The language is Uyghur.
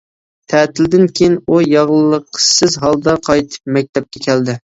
تەتىلدىن كېيىن ئۇ ياغلىقسىز ھالدا قايتىپ مەكتەپكە كەلدى.